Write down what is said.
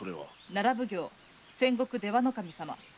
奈良奉行・仙石出羽守様。